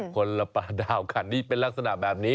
คนละป่าดาวคันนี้เป็นลักษณะแบบนี้